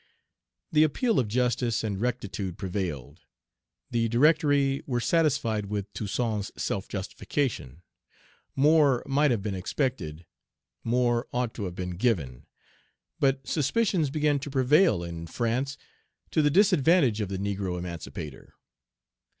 The appeal of justice and rectitude prevailed. The Directory were satisfied with Toussaint's self justification. More might have been expected; more ought to have been given. But suspicions began to prevail in France to the disadvantage of the negro emancipator.